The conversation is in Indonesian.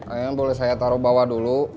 ayunan boleh saya taruh bawah dulu